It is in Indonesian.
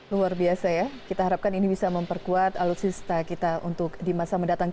luar biasa ya kita harapkan ini bisa memperkuat alutsista kita untuk di masa mendatang